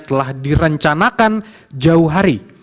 telah direncanakan jauh hari